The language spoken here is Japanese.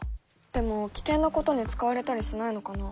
でも危険なことに使われたりしないのかな？